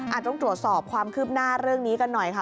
ต้องตรวจสอบความคืบหน้าเรื่องนี้กันหน่อยค่ะ